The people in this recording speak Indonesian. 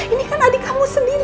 ini kan adik kamu sendiri